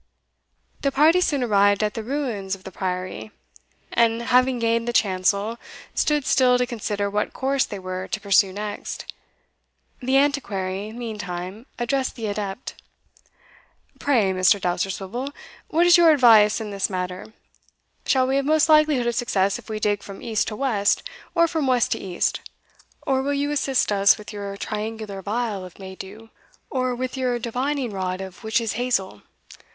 The party soon arrived at the ruins of the priory, and, having gained the chancel, stood still to consider what course they were to pursue next. The Antiquary, meantime, addressed the adept. "Pray, Mr. Dousterswivel, what is your advice in this matter? Shall we have most likelihood of success if we dig from east to west, or from west to east? or will you assist us with your triangular vial of May dew, or with your divining rod of witches hazel?